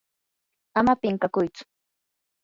ama pinqakuytsu.